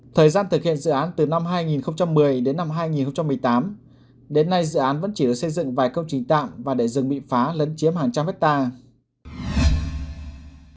thời gian thực hiện dự án từ năm hai nghìn một mươi đến năm hai nghìn một mươi tám đến nay dự án vẫn chỉ được xây dựng vài công trình tạm và để rừng bị phá lấn chiếm hàng trăm hectare